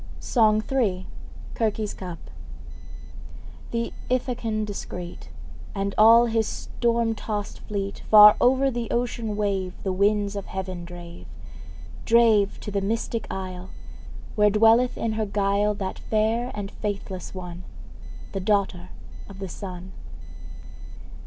SONG III. CIRCE'S CUP. Th' Ithacan discreet, And all his storm tossed fleet, Far o'er the ocean wave The winds of heaven drave Drave to the mystic isle, Where dwelleth in her guile That fair and faithless one, The daughter of the Sun.